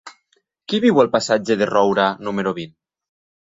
Qui viu al passatge de Roura número vint?